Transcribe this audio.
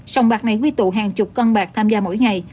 sông bạc này quy tụ hàng chục con bạc tham gia mỗi ngày